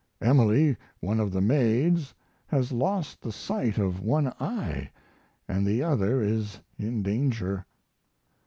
Emily, one of the maids, has lost the sight of one eye and the other is in danger.